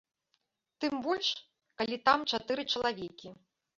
Тым больш, калі там чатыры чалавекі.